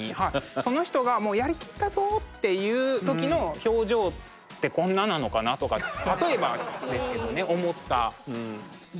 その人がもうやり切ったぞっていう時の表情ってこんななのかなとか例えばですけどね思ったり。